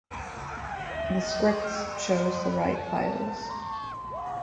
The scripts choose the right files